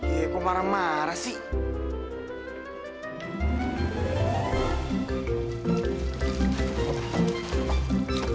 ya kok marah marah sih